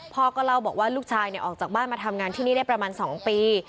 พ่อก็เล่าบอกว่าลูกชายออกจากบ้านมาทำงานที่นี่ได้ประมาณ๒ปี